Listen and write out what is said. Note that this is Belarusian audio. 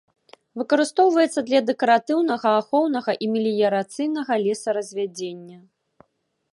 Выкарыстоўваецца для дэкаратыўнага, ахоўнага і меліярацыйнага лесаразвядзення.